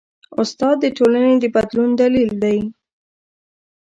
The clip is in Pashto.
استاد د ټولنې د بدلون دلیل دی.